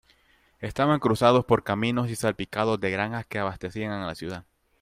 Estaban cruzados por caminos y salpicados de granjas que abastecían a la ciudad.